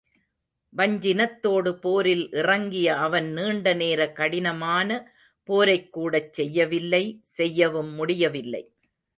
வஞ்சினத்தோடு போரில் இறங்கிய அவன் நீண்ட நேர கடினமான போரைக்கூடச் செய்யவில்லை செய்யவும் முடியவில்லை.